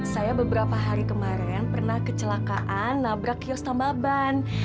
saya beberapa hari kemarin pernah kecelakaan nabrak kios tambah ban